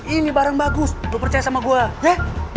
ini barang bagus lo percaya sama gua ya